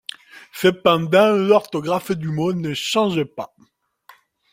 Cependant, l'orthographe du mot ne change pas.